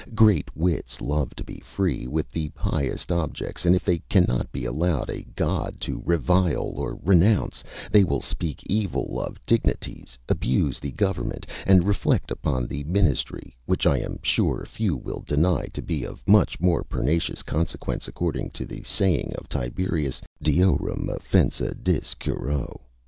Great wits love to be free with the highest objects; and if they cannot be allowed a god to revile or renounce, they will speak evil of dignities, abuse the government, and reflect upon the ministry, which I am sure few will deny to be of much more pernicious consequence, according to the saying of Tiberius, deorum offensa diis curoe.